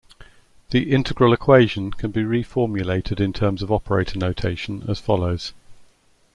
The integral equation can be reformulated in terms of operator notation as follows.